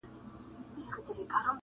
انسان نه یوازي خپل د ویلو مسؤل دی,